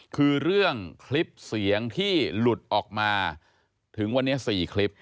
คือเรื่องคลิปเสียงที่หลุดออกมาถึงวันนี้๔คลิป